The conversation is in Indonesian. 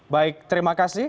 baik terima kasih